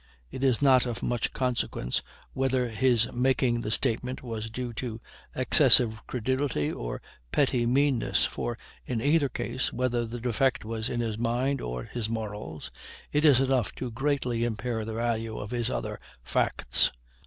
] it is not of much consequence whether his making the statement was due to excessive credulity or petty meanness, for, in either case, whether the defect was in his mind or his morals, it is enough to greatly impair the value of his other "facts."